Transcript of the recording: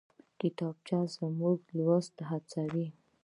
کتابچه موږ لوستو ته هڅوي